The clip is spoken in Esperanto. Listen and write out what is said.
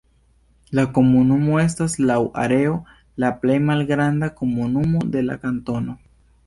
La komunumo estas laŭ areo la plej malgranda komunumo de la kantono.